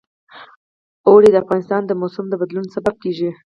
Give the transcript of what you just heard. اوړي د افغانستان د موسم د بدلون سبب کېږي.